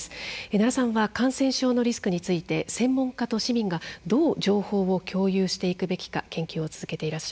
奈良さんは感染症のリスクについて専門家と市民がどう情報を共有していくべきか研究を続けていらっしゃいます。